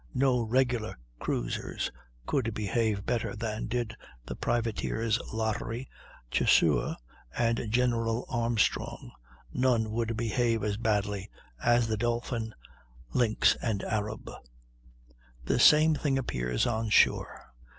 No regular cruisers could behave better than did the privateers Lottery, Chasseur, and General Armstrong; none would behave as badly as the Dolphin, Lynx, and Arab. The same thing appears on shore.